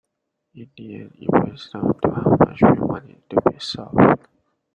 In the end it boils down to how much we want it to be solved.